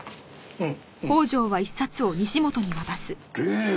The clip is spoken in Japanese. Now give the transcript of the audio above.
うん。